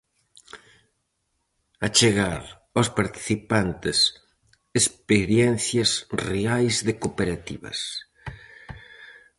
Achegar aos participantes experiencias reais de cooperativas.